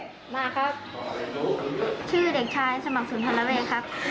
ชื่อเด็กชายสมัครศุนย์ทรวเวศครับ